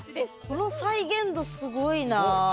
この再現度すごいなぁ。